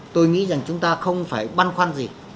tôi nghĩ chúng ta không phải băn khoăn gì